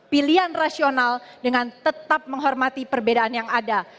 pilihan rasional dengan tetap menghormati perbedaan yang ada